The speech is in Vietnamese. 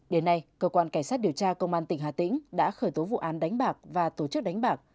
đến nay cơ quan cảnh sát điều tra công an tỉnh hà tĩnh đã khởi tố vụ án đánh bạc và tổ chức đánh bạc